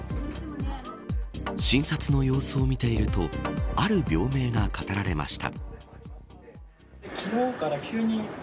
診察の様子を見ているとある病名が語られました。